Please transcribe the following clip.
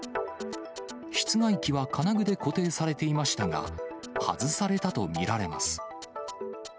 室外機は金具で固定されていましたが、外されたと見られます。